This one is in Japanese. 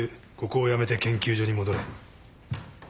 ここを辞めて研究所に戻れ。